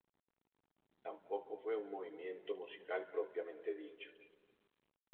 Tampoco fue un movimiento musical propiamente dicho.